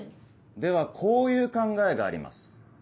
ではこういう考えがあります。